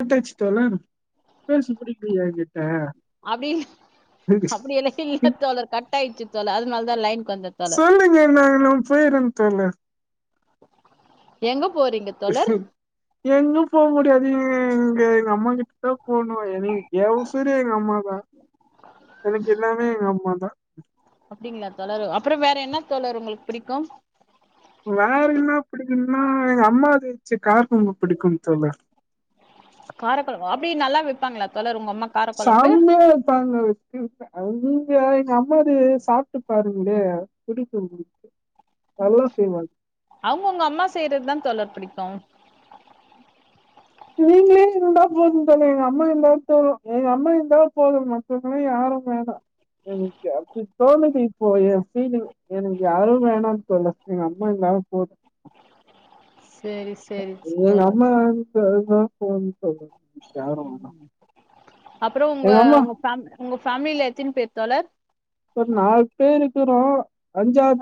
கட்டாச்சு தோழர் பேச புடிக்லயா எங்கிட்ட அப்டி அப்டியெல்லா இல்லத் தோழர் கட்டாய்ர்ச்சு தோழர் அதுனால் சொல்லுங்க நா நா போயிர்றேன் தோழர் எங்கப் எங்கும் போ முடியாது து எங்க அம்மா கிட்ட தா போனு எனக்கு எ உசுரு எங்க அம்மாதா எனக்கு எல்லாமே எங்க அம்மாதா டிங்ளா தோழர் அப்பற வேற என்ன தோழர் உங்களுக்கு பிடிக்கு வேற என்ன அப்டிங்கன்னா எங்க அம்மாது சேர் காரக் குழம்பு பிடிக்கும் தோழர் பி நல்லா வெப்பாங்களா தோழரு செம்மையா வெப்பாங்க வெச்சுருக்கே அதுவு ஏ எங்க அம்மாது சாப்ட்டு பாருங்ளே புடிக்கு உங்களுக்கு அவ்ங்கவ்ங்க அம்மா செய்றதுதா தோழர் புடிக்கு நீங்ளே இருந்தா போதும் தோழர் எங்க அம்மா இருந்தா தோணு எங்க அம்மா இருந்தா போதும் மத்தவ்ங்களா யா ரு வேணா எனக்கு அப்டி தோணுது இப்போ ஏ வேணு எனக்கு யாரு வேணா தோழர் எங்க அம்மா இருந்தாலு போது சேரி சேரி தோழர் [unintelligible] தா போதும் தோழர் ம் யாரு வேணா அப்றோ உங்க உங்க ஃபேம் உங்க ஃபேம்லில எத்தின் பேர் தோழர் ஒரு நாலு பேருக்குறோ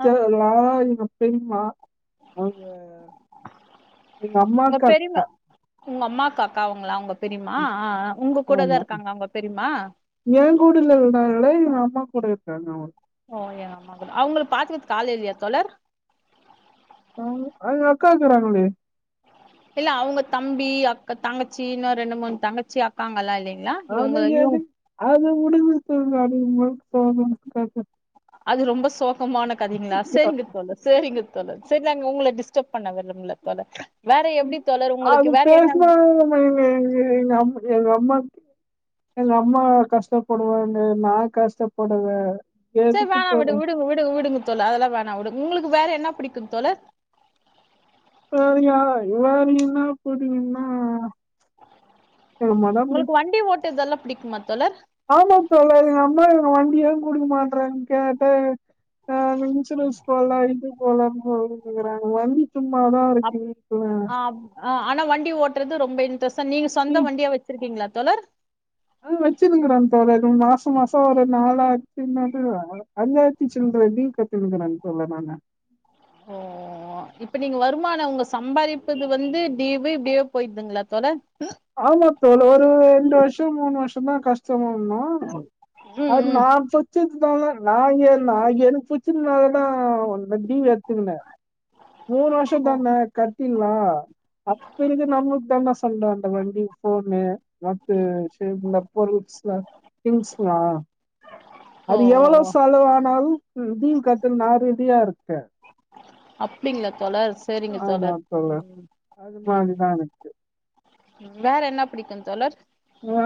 ஆ லா எங்க பெரிம்மா அவ்ங்க எங்க அம்மாக்கு அக்கா அக்கா அவ்ங்களா உங்க பெரிம்மா ஆ ஆ உங்க கூட தா ஆமா இருக்காங்ளா ஒங்க பெரிம்மா ம் ஆமா கூட இருக்காங்க ஒரு ஓ எங்க அம்மாக்கூட அவங்களுக்கு பாத்துக்கறத்துக்கு ஆள் இல்லையா தோழர் ம் ஆ எங்க அக்கா இருக்கறாங்களே இல்ல அவுங்க தம்பி அக்க தங்கச்சி இன்னு ரெண்டு மூணு தங்கச்சி அக்காங்கலா இல்லை அது எது அது உனக்கு எப்டி தோணுது அது இவ்ங்களுக்கு தோணனு கரெக்டா அது ரொம்ப சோகமான கதைங்ளா சேரிங்க தோழர் சேரிங்க தோழர் சேரி நாங்க உங்கள டிஸ்டர்ப் பண்ண விரும்பல தோழர் வேற எப்டி தோழர் அது உங்களுக்கு வேற என்ன பேசுனாலே எங்க எங்க எங்க எங்க அம் எங்க அம்மா எங்க அம்மா கஷ்டப்படுவாங்க நா கஷ்டப்படுவே சேரி வேணா விடு விடுங்க விடுங்க விடுங்க தோழர் அதெல்லா வேணா விடுங் உங்களுக்கு வேற என்ன புடிக்கும் தோழர் வேறயா வேற என்ன புடிக்கும்னா உங்களுக்கு வண்டி ஓட்டுதெல்லா பிடிக்குமா தோழர் ஆமா தோழர் எங்க அம்மா எனக்கு வண்டியே குடுக்க மாட்றாங்க கேட்டா ஆ இன்சூரன்ஸ் போட்ல இது போலனு [unintelligible] கிறாங்க வண்டிக் சும்மாதா அப் இருக்கு ஆ ஆனா வண்டி ஓட்றது ரொம்ப இன்ட்ரெஸ்டா நீங்க சொந்த நீ வண்டியா வச்சிருக்கீங்ளா தோழர் ஆ வச்சுருக்கிற தோழர் மாச மாச ஒரு நாள் பிளாட்டினட்டு ஐயாயிரத்தி சில்ற டீவ் கட்டிருக்குறாங்க தோழர் அவுங்க ஆ ஆ இப்ப நீங்க வருமான அவ்ங்க சம்பாரிப்பதுல வந்து டீவு இப்டியே போய்ட்துங்ளா தோழர் ஆமா தோளோ ஒரு ரெண்டு வருஷ மூணு வருஷந்தா கஷ்ட [unintelligible] ம் அது ம் நான்சச்ச நா ஏ நா ஏ எனக்கு புச்சினால தா டிவி எத்துகுன மூணு வருஷ தான கட்டில்லா அப்பிறகு நம்மக்கு தான செல்லோ அந்த வண்டி போனுு மத்த [unintelligible] கிங்ஸ்னா ஓ அது எவ்வள செலவானாலு டீவு கட்ட நா ரெடியா இருக்க அப்டிங்களா தோழர் சரிங்க தோழர் ம் அது ம் மாதிரிதாங்க. வேற என்ன பிடிக்கும் தோழர் ஆ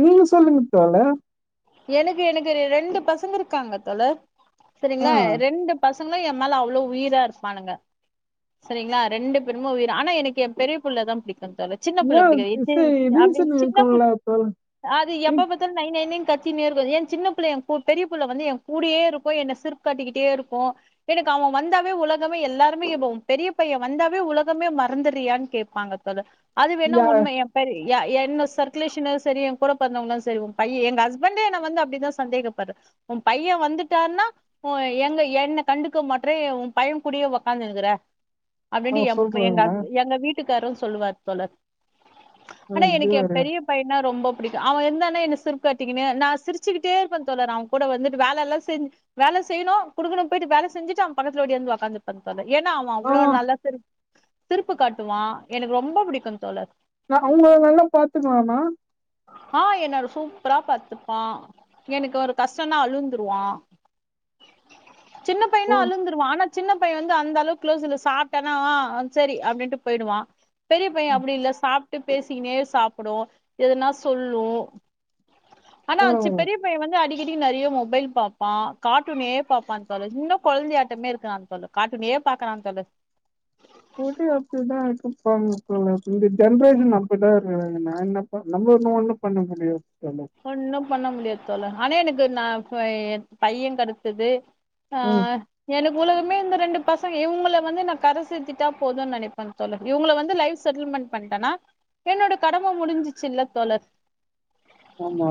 நீங்க சொல்லுங்க தோழர் எனக்கு எனக்கு ரெண்டு பசங்க இருக்காங்க தோழர் ஆ சரிங்களா ரெண்டு பச சங்கள என் மேல அவ்ளோ உயிரா இருப்பானுங்க சரிங்களா ரெண்டு பேருமே உயிர ஆனா எனக்கு எ பெரிய புள்ள தா பிடிக் கும் தோழர் சின்ன புள்ள ஏன் புடிக்காது சரி அப்படி ரீசன் சின்ன புள் இருக்கும்ல தோழர். அது எப்ப ம் பார்த்தாலு நய் நய் நய்ன் கும் என் சின்ன பிள்ள பெரிய புள்ள வந்து என் கூடயே இருக்கு என்ன சிரிப்பு காட்டினே இருக்கு எனக்கு அவ வந்தாவே உலகமே எல்லாருமே பெரிய பைய வந்தாவே உலகமே மறந்துறியான்னு கேட்பாங்க தோழர் அது வேணா யா உண்மை என் என்ன சர்க்குலேஷன் சரி கூட பெறந்தவங்கள சரி உ பைய எங்க ஹஸ்பண்ட் பண்டே என்ன வந்து அப்படிதா சந்தேகப்படுற உ பைய வந்துட்டான்னா எங்க என்ன கண்டுக்க மாட் மற்ற உ பைய கூடயே வொக்காந்து இருக்கற ஆ அப்டின்னு எ எங்க சொல்றேங்க. எங்க வீட்டுக்காரு சொல்லுவாரு தோழர் ஆ ஆனா இது எனக்கு எ வேற. பெரிய பையனா ரொம்ப புடிக்கு அவ இருந்தானா என்ன சிருப் காட் காட்டிகினு நான் சிரிச்சி கிட்டே இருப்ப தோழர் அவன் கூட வந்துட்டு வேல எல்லா செஞ் வேல செய்யணு குடுக்கணு போயிட்டு வேலை செய் செஞ்சிட்டு அவன் பக்கத்துல ஓடியாந்து ஒக்காந்துப்ப தோழர் ஏன்னா அவன் அவ்ளோ ஆமா நல்லா சிரிப் சிரிப்பு காட்டுவா எனக்கு ரொம்ப பிடிக்கு தோழர் அவங்க வேல்ல பாத்துக்குவானா ஆ என்ன ஒரு சூப்பரா பாத்துப்பா எனக்கு ஒரு கஷ்டன்னா அழுந்துருவா சின்ன ஓ! பையனா அழுந்துருவான் ஆனா சின்ன பைய வந்து அந்த அளவுக்கு க்ளோஸ் இல்ல சாப்ட்டானா ஆ சரி அப்படின்னுட்டு போயிடுவா பெரிய பைய அப்டி இல்ல சாப்ட்டு பேசிகினே சாப்பிடு எதுனா சொல்லு ஆனா சி பரவால்ல. பெரிய பைய வந்து அடிக் நெறய மொபைல் பாப்பா காட்டூனே பாப்பான் தோழர் இன்னு கொழந்தை ஆட்டமே இருக்கா தோழர் காட்டூனே பாக்கறாங்க தோழர் வுடு அப்டுதா அப்ப இந்த ஜென்ரேஷன் அப்டிதா இருக்காங்க நா என்ன நம்ம இன்னு ஒண்ணு பண்ண முடியாது தோழர். ஒன்னு பண்ண முடியாது தோழர் ஆனா எனக்கு நா பைய கடச்சது ஆ ம் எனக்கு உலகமே இந்த ரெண்டுப் பசங்க இவங்கள வந்து நா கர சேத்துட்டா போதுன் நெனைப்பே தோழர் இவங்கள வந்து லைஃப் செட்டில்மெண்ட் பண்ணிட்டன்னா என்னோட கடம முடிஞ்சிச்சுல்ல தோழர் ஆமா.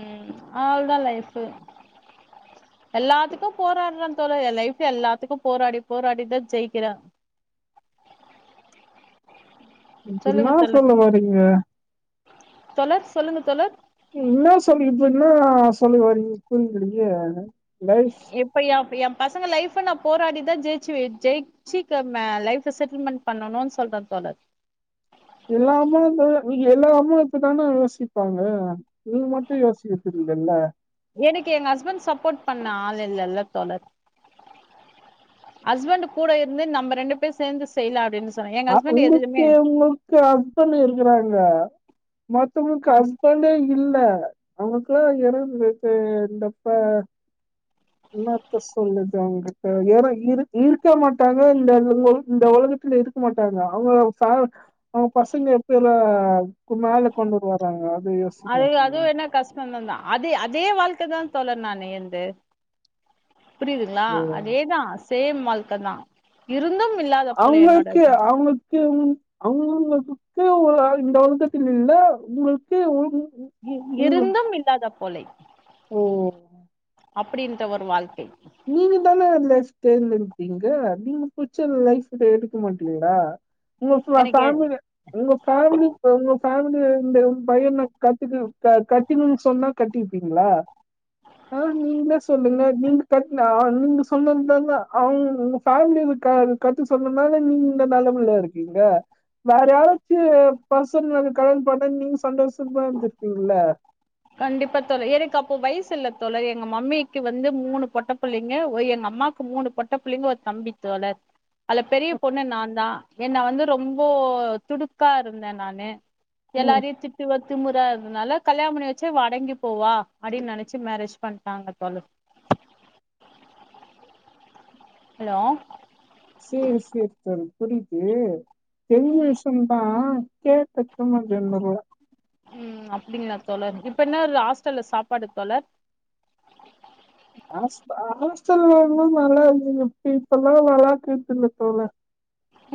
ம் அவ்ள தா லைஃப் எல்லாத்துக்கு போராடுற தோழர் என் லைஃப் எல்லாத்துக்கு போராடி போராடிதா ஜெயிக்கிற என்னா சொல்ல வரிங்க தொழர் சொல்லுங்க தொலர் என்ன சொல்ல வரீங்க புரிலையே இப்ப எ எ பசங்க லைஃப நா போராடிதா ஜெயி ஜெயிச்சிக்கு லைஃப செட்டில்மென்ட் பண்ணணுனு சொல்ற தோழர் எல்லா அம்மா எல்லா அம்மா இப்டி தான யோசிப்பாங்க நீங்க மட்டும் யோசிக்கிறது இல்லல நாள் இல்லல்ல தோழர் ஹஸ்பண்ட் கூட இருந்து நம்ம ரெண்டு பேரு சேர்ந்து செய்யலா அப்டின்னு சொ அ உங்களுக்கு உங்களுக்கு அஸ்பண்ட் இருக்கறாங்க மத்தவங்களுக்கு ஆ ஹஸ்பண்டே இல்ல அவனுக்கெல்லா எறந்துத்தே இருந்தப்ப என்னாத்த சொல்றது அவங்கிட்ட ஏனோ இருக் இருக்க மாட்டாங்க இந்த இந்த ஒல இந்த ஒலக லகத்துல இருக்க மாட்டாங்க அவங்களோ ப அவங் பசங்க எப்பியல்லா கு மேல கொண்டுவருவாங் அது அதுவேணா கஷ்டந்தந்தா அது அதே வாழ்க் கதான் தோழர் நான் என்து புரியுதுங்களா அதேதா சேம் வாழ்க்கதா இருந்தும் இல்லாத போல என்னோட அவங்களுக்கு அவங்கள்க்கு அவங்கள உங்கள வுட்டுட் டு ஒரு ஆள் இந்த ஒலகத்தில் இல்ல உங்களுக்கு உ இவ் இருந்தும் இல்லாத போலே ஓ அப்டின்ற ஒரு வாழ்க்கை நீங்க தானே லைஃப் தேர்ந்து எடுப்பீங்க நீங்க புடிச்ச லைஃப் எடுக்க மாட்டீங்களா உங்க ஃபே எனக்கு ஃபேமிலி உங்க ஃபேமிலி ஒங்க ஃபேமிலி இந்த பையன கத்துட்டு க கட்டிக்கணுனு சொன்னா கட்டிவிப்பீங்ளா ஆ நீங்களெ சொல்லுங்க நீங் கட்னா நீங்க சொன்னதாங்க அவங்க உங்க ஃபேம்லி இதுக்காக கருத்து சொன்னனால நீங்க இந்த நல்ல உள்ள இருக்கீங்க வேற யாராச்சு பசங்கள கல்யாணோ பண்ணா நீங் சந்தோஷமா இருந்திருப்பீங்கல்ல கண்டிப்பா தோழ எனக்கு அப்போ வயசு இல்ல தோழர் எங்க மம்மிக்கு வந்து மூணு பொட்ட புள்ளைங்க ஒ எங்க ம்மாக்கு மூணு பொட்ட புள்ளைங்க ஒரு தம்பி தோழர் அதுல பெரிய பொண்ணு நாந்தா என்ன வந்து ரொம்போ துடுக்கா இருந்தே நானு ம் எல்லாரையு திட்டுவே திமுரா இருந்தனால கல்யாணொ பண்ணி வச் சு இவ அடங்கி போவா அப்டினு நெனைச்சு மேரேஜ் பண்ட்டாங்க தோழர் ஹலோ சேரி சேரி தோழி புரியுது தெரிஞ்ச விஷ்யோந்தா கேட்ட [unintelligible] ம் அப்டிங்களா தோழர் இப்ப என்ன ரு ஹாஸ்டல்ல சாப்பாடு தோழர் ஹாஸ்ப் ஹாஸ்டல்லலா நல்லா இருந்துதுங்க இப்ப இப்பல்லா நல்லா இருக்குறதில்ல தோழர்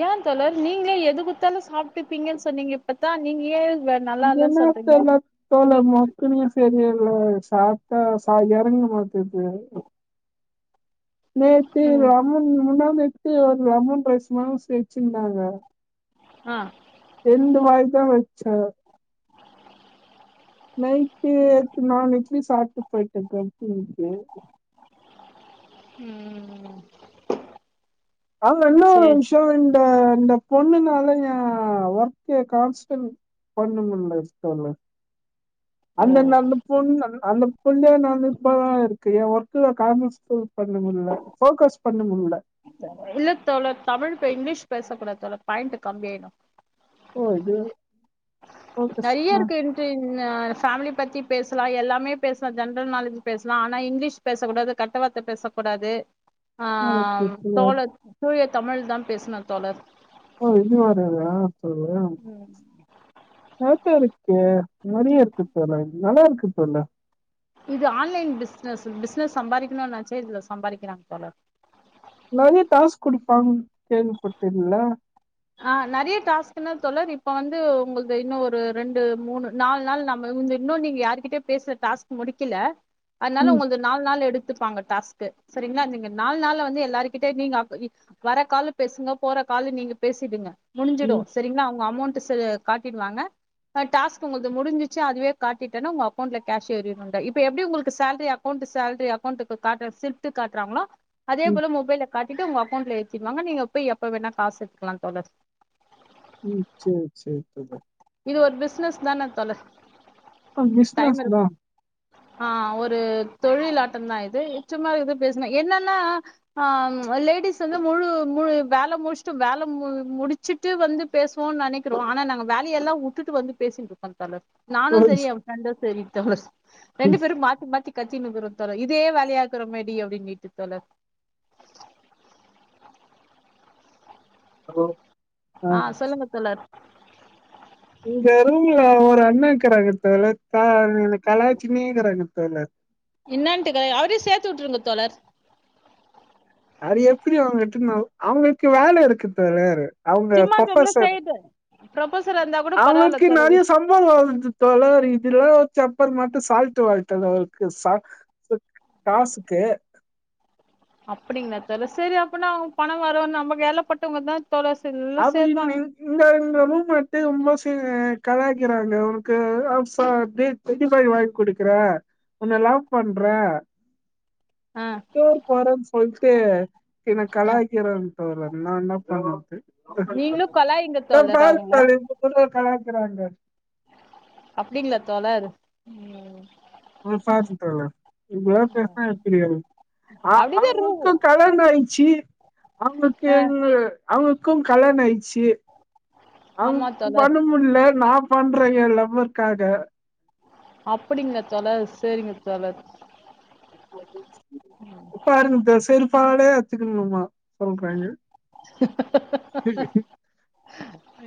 ஏன் தோழர் நீங்களே எது குத்தாலு சாப்டுப்பீங்கன்னு சொன்னீங்க இப்பத்தா நீங்க ஏன் வே- நல்லா இல்லன்னு ஏனா சொல்றீங்க தோழ தோழர் மக்ரூனியு சேமியாவைய் யு சாப்ட்டா சா எறங்க மாட்டுது நேத்து ம் லெமன் முந்தா நேத் து ஒரு லெமன் ரைசு மா செச்சிருந்தாங்க ஆ ரண்டு வாய்தா வச்ச நைட்டு எக் நாளு இட்லி சாப்ட்டு போயிட்டே கம்பெனிக்கு ம் ஆமா இன்னோரு சேரி விஷ்யோ இந்த இந்த பொண்ணுனால ஏ ஒர்க்கே கான்ஸ்டன் பண்ணமுல்ல ஸ் தோழே ஓ அந்தந்த அந்த பொண்ணு அந்த பொண் ஃபுல் டே நெனப்பதா இருக்கு எ ஒர்க்கல காமஸ்டே பண்ண முடில்ல போக்கஸ் பண்ண முடில்ல இல்ல தோழர் தமிழ் பே இங்கிலீஷ் பேச கூடாது தோழர் பாயிண்ட் கம்மியாயிடு ஓ இது ஃபோக்கஸ் நெறைய ஆ இருக்கு இன்ட்ரி நா ஃபேமிலி பத்தி பேசலா எல்லாமே பேசலா ஜெனரல் நாலேஜ் பேசலா ஆனா இங்கிலீஷ் பேசக்கூடாது கெட்ட வார்த்த பேசக்கூடாது ஆ ஓகே தோழர் தூய தமிழ்தா பேசனு தோழர். ஓ இது வேரைய தோழே ம் ஓகேயாருக்கு நெறைய இருக்கு தோழர் நல்லா இருக்கு தோழர் இது ஆன்லைன் பிச்னஸ் பிச்னஸ் சம்பாரிக்கணுனெச்சா இதுல சம்பாரிக்கிறாங்க தோழர் நெறைய டாஸ்க் குடுப்பாங் கேள்வி பட்டே இதுல அ நெறைய டாஸ்க்னா தோழர் இப்ப வந்து உங்கள்து இன்னு ஒரு ரெண்டு மூணு நாலு நாள் நம்ம நீங்க இன்னு நீங்க யார்கிட்டயு பேசுற டாஸ்க் முடிக்கல அதனால ம் உங்கள்து நாலு நாள் எடுத் துப்பாங்க டாஸ்க்கு சரிங்களா நீங்க நாலு நாள்ல வந்து எல்லார் கிட்டே நீங்க அப் வி வர கால் பேசுங்க போற காலு நீங்க பேசிடுங்க முடிஞ்சிடு ம் செரிங்களா அவங்க அமௌண்ட் சு காட்டிடுவாங்க ஆ டாஸ்க் உங்கள்து முடிஞ்சிச்சு அதுவே காட்டிடெனா உங்க அக்கவுண்ட்ல கேஷ் ஏறிடுங்க இப்ப எப்டி உங்களுக்கு சேல்ரி அக்கௌண்ட் இந்த சேலரி அக்கவுண்டுக்கு காட்டுற சில்து காட்றாங்களோ அதே ம் போல மொபைல்ல காட்டிட்டு உங்க அக்கவுண்ட்ல எத்திருவாங்க நீங்க போய் எப்ப வேணா காசு க்கலா தோழர் ம் சே சே தோழி இது ஒரு பிசினஸ் தானே தோழர் ஆ டைம் பிஸ்னஸ் தா இருக்கு ஆ ஒரு தொழிலாட்டோ தா இது சும்மா இது பேசுனா என்னன்னா ஆ லேடிஸ் வந்து முழு ம் வேல முடிச்ட்டு வேல மு முடிச்சுட்டு வந்து பேசுவோ நெனக்கிறோ ஆனா நாங்க வே ல எல்லா வுட்டுட்டு வந்து பேசின்ட்ருக்கன் நானு செரி எ ஃப்ரண்டு செரி தோழர் ரெண்டு பேரு மாத்தி மாத்தி கத் தினுக்குறோ தோழர் இதே வெளையா இருக்குறோ மேடி அப்டின்மிட்டு தோழர் அப்போ ஆ சொல்லுங்க தோழர் இங்க ரூம்ல ஒரு அண்ணா இக்குறாங்க தோழர் பா அவங்க என்ன கலாச்சினே இருக்குறாங்க தோழர் இன்னான்டு கலா அவரையு சேத்து விட்ருங்க தோழர் அது எப்டி அவங்கட்ட நா அவங்களுக்கு வேல இருக்கு தோழர் அவங்க சும்மா டம்ள ப்ரோஃபெசர் செய்து ப்ரொபசரா இருந்தா கூட பரவால்ல அவங்களுக்கு தோழர் நெறைய சம்பளோ வருது தோழர் இ இதல்லா வச்சு அப்புறமாட்டு சால்ட்டு வாட்டர் அவருக்கு சா கு காசுக்கு அப்டிங்களா தோழ செரி அப்பனா அவங்க பண வரு நம்ம வேலப்பட்டவங்கதா அ [unintelligible] இந்த இந்த ரூம் மட்டு ரொம்பச் துங்க கலாய்க்கிறாங்க உனக்கு ஆ சா அப்டியே தெட்டி பேர் வாங்கி கொடுக்குற உன்ன லவ் பண்ற ஆ சோர் போட்றேன்னு சொல்ட்டு என்ன ஆ கலாய்க்கிறாங்க தோழர் நா என்ன பண்றது நீங்களு கலாய்ங்க ஆ தோழர் பாருங்க அவங்கள தோழ இந்த பக்கோ கலா க்குறாங்க அப்டிங்களா தோழர் ம் வர்ஷோ ஆய்டுச்சு தோழர் இப்டிலா பேசுனா எனக்கு அப்டிதா ரூ புடிக்காது அவங்களுக்கு ஆ எ அவங்களுக்கு கல்யாணோ ஆயிச்சு அவங் ஆமா தோழர் பண்ண முட்ல நா பண்றே எ லவ்வர்காக அப்டிங்களா தோழர் செரிங்க தோழர் ப்பாருங்க தோழி செருப்பாலயே அச்சுக்கனுமா சொல்றாங்க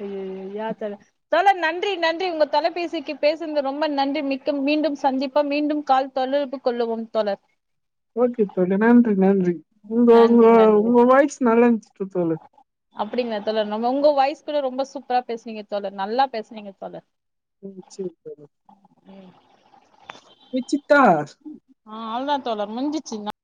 ஐயய்யயோ யே தோழ தோழர் நன்றி நன்றி உங்க தொலைபேசிக்கு பேசுனது ரொம்ப நன்றி மிக்க மீண்டும் சந்திப்போ மீண்டும் கால் தொலயிட்டு கொள்ளுவும் தோழர் ஓகே தோழி நன்றி நன்றி உங்க உங்க நன்றி நன்றி உங்க வாய்ஸ் நல்லா இருந்ச்சுட்டு தோழி அப்டிங்களா தோழர் நம்ம உங்க வாய்ஸ் கூட ரொம்ப சூப்பரா பேசுனீங்க தோழர் நல்லா பேசுனீங்க தோழர் ம் சேரி தோழி விச்சிட்டா ஆ அவ்ளதா தோழர் முஞ்சிச்சுனா